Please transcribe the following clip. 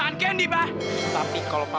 no modernshirts anda juga